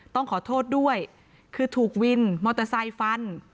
ต้องขอโทษด้วยคือถูกวินมอเตอร์ไซค์ฟัน